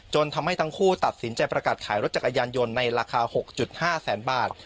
ทำให้ทั้งคู่ตัดสินใจประกาศขายรถจักรยานยนต์ในราคา๖๕แสนบาท